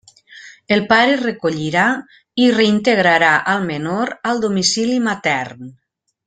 El pare recollirà i reintegrarà al menor al domicili matern.